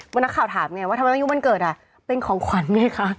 นักข่าวถามไงว่าทำไมต้องยุควันเกิดเป็นของขวัญไงคะ